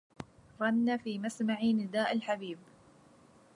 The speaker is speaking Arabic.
رن في مسمعي نداء الحبيب